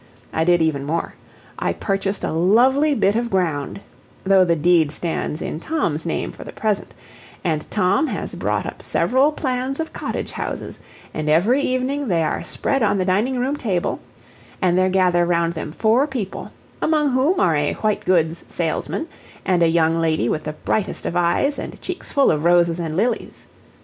I did even more; I purchased a lovely bit of ground (though the deed stands in Tom's name for the present), and Tom has brought up several plans of cottage houses, and every evening they are spread on the dining room table, and there gather round them four people, among whom are a white goods salesman, and a young lady with the brightest of eyes and cheeks full of roses and lilies.